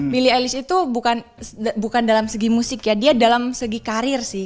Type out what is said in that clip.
billy alis itu bukan dalam segi musik ya dia dalam segi karir sih